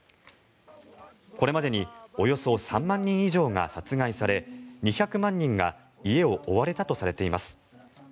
これまでにおよそ３万人以上が殺害され２００万人が家を追われたとされています。